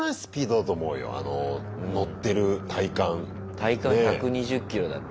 体感１２０キロだって。